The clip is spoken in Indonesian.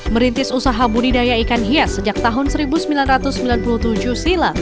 merintis usaha budidaya ikan hias sejak tahun seribu sembilan ratus sembilan puluh tujuh silam